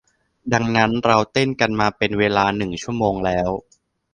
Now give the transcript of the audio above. ดังนั้นเราเต้นกันมาเป็นเวลาหนึ่งชั่วโมงแล้ว